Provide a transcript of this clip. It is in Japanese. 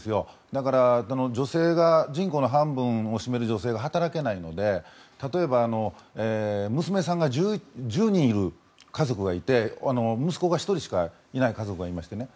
だから人口の半分を占める女性が働けないので、例えば娘さんが１０人いる家族がいて息子が１人しかいない家族がいましてね。